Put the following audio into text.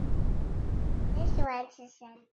首府蒙戈。